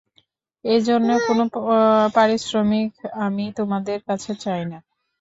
এ জন্যে কোন পারিশ্রমিক আমি তোমাদের কাছে চাই না।